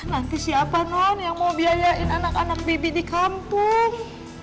nanti siapa non yang mau biayain anak anak bibi di kampung